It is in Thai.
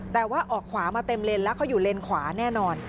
แต่ว่าออกขวามาเต็มเลนแล้วเขาอยู่เลนขวาแน่นอน